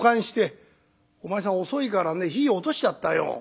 「お前さん遅いからね火落としちゃったよ」。